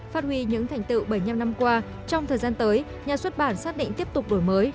phát huy những thành tựu bảy mươi năm năm qua trong thời gian tới nhà xuất bản xác định tiếp tục đổi mới